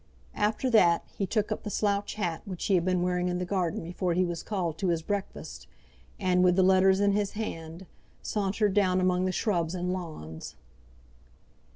After that, he took up the slouch hat which he had been wearing in the garden before he was called to his breakfast, and, with the letters in his hand, sauntered down among the shrubs and lawns.